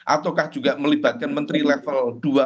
ataukah juga melibatkan menteri level dua